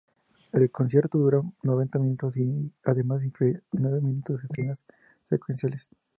El concierto dura noventa minutos y además incluyen nueve minutos escenas secuenciales.